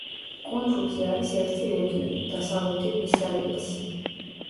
კუნძულზე არის ერთი რეგიონი, დასავლეთი ვისაიასი.